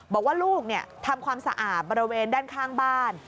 บอกว่าลูกทำความสะอาดบริเวณด้านข้างบ้าน